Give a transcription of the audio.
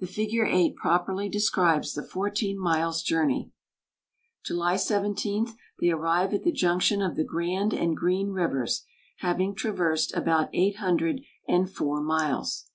The figure 8 properly describes the fourteen miles' journey. July 17 they arrive at the junction of the Grand and Green rivers, having traversed about eight hundred and four miles.